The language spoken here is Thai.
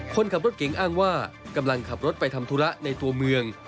คนขับรถเก๋งอ้างว่ากำลังขับรถไปทำธุระในตัวเมือง